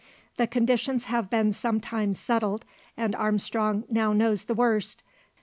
The conditions have been some time settled; and Armstrong now knows the worst.